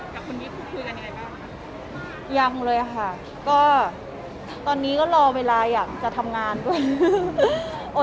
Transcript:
กับคุณนิกพูดคุยกันยังไงบ้างคะยังเลยค่ะก็ตอนนี้ก็รอเวลาอยากจะทำงานด้วย